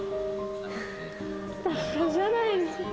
ばかじゃないの。